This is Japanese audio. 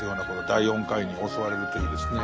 第４回に教われるといいですね。